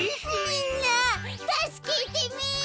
みんなたすけてめえ！